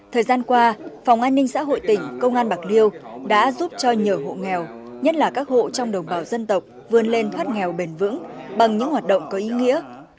thời gian qua phòng an ninh xã hội tỉnh công an bạc liêu đã giúp cho nhiều hộ nghèo nhất là các hộ trong đồng bào dân tộc vươn lên thoát nghèo bền vững bằng những hoạt động có ý nghĩa